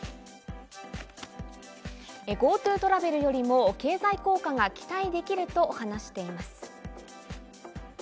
ＧｏＴｏトラベルよりも経済効果が期待できると話しています。